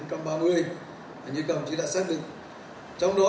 trong đó đảng ủy công an trung ương cụ thể hóa áp và xác định đến năm hai nghìn hai mươi năm